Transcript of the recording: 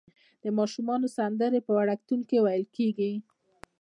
د ماشومانو سندرې په وړکتون کې ویل کیږي.